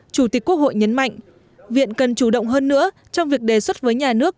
chủ tịch quốc hội nhấn mạnh viện cần chủ động hơn nữa trong việc đề xuất với nhà nước